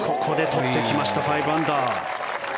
ここで取ってきました５アンダー。